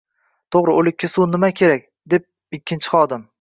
— To‘g‘ri, o‘likka... suv nima kerak? — dedi ikkinchi xodim.